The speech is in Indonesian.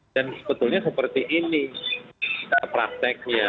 dan sebetulnya seperti ini prakteknya